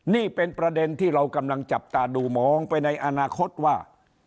นี่เป็นประเด็นที่เรากำลังจับตาดูมองไปในอนาคตว่า